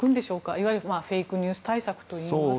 いわゆるフェイクニュース対策といいますか。